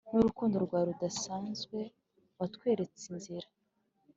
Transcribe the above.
n'urukundo rwawe rudasanzwe watweretse inzira,